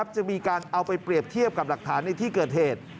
จะมีการเอาไปเปรียบเทียบกับหลักฐานในที่เกิดเหตุ